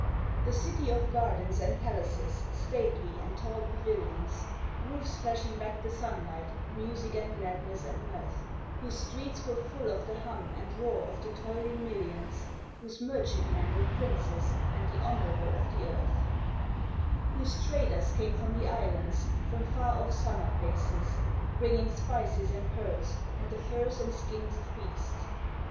The city of gardens and palaces, stately and tall pavilions, Roofs flashing back the sunlight, music and gladness and mirth, Whose streets were full of the hum and roar of the toiling millions, Whose merchantmen were princes, and the honourable of the earth: Whose traders came from the islands from far off summer places, Bringing spices and pearls, and the furs and skins of beasts.